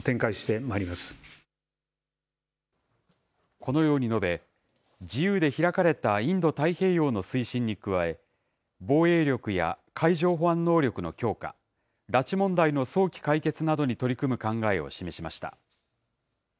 このように述べ、自由で開かれたインド太平洋の推進に加え、防衛力や海上保安能力の強化、拉致問題の早期解決などに取り組む考えを示しました。